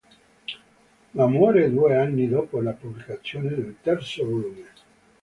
Ma muore due anni dopo la pubblicazione del terzo volume.